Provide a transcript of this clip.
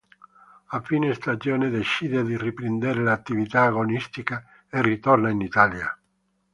A fine stagione decide di riprendere l'attività agonistica e ritorna in Italia.